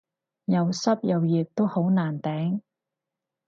又濕又熱都好難頂